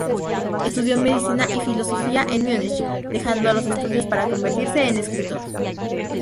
Estudió medicina y filosofía en Múnich, dejando los estudios para convertirse en escritor.